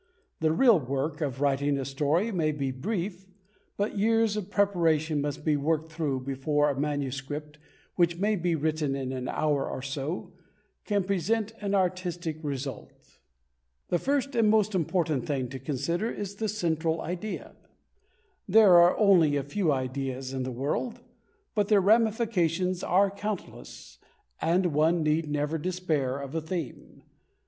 The real work of writing a story may be brief, but years of preparation must be worked through before a manuscript, which may be written in an hour or so, can present an artistic result. The first and most important thing to consider is the central idea. There are only a few ideas in the world, but their ramifications are countless, and one need never despair of a theme.